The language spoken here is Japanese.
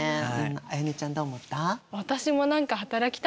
絢音ちゃんどう思った？